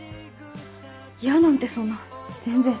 嫌なんてそんな全然。